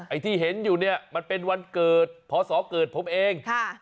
ที่เห็นอยู่เนี่ยมันเป็นวันเกิดพอสอเกิดผมเอง